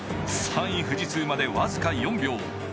３位・富士通まで僅か４秒。